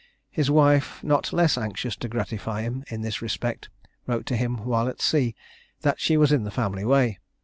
His wife, not less anxious to gratify him in this respect, wrote to him while at sea, that she was in the family way.